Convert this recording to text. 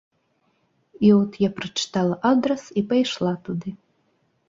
І от я прачытала адрас і пайшла туды.